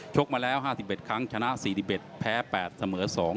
กมาแล้ว๕๑ครั้งชนะ๔๑แพ้๘เสมอ๒